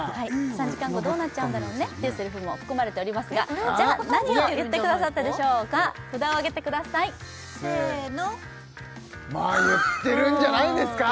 ３時間後どうなっちゃうんだろうねっていうセリフも含まれておりますがじゃあ何を言ってくださったでしょうか札を上げてくださいせーのまあ言ってるんじゃないんですか？